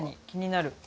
気になる。